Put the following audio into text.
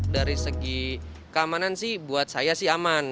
dari segi keamanan sih buat saya sih aman